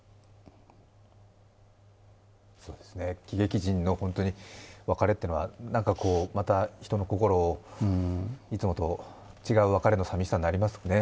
喜劇人の別れというのは人の心を、いつもと違う別れのさみしさになりますね。